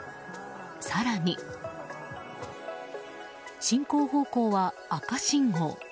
更に、進行方向は赤信号。